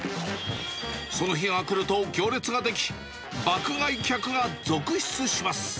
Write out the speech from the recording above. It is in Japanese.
その日が来ると行列が出来、爆買い客が続出します。